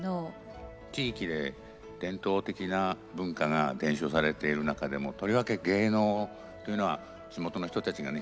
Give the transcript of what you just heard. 地域で伝統的な文化が伝承されている中でもとりわけ芸能というのは地元の人たちがね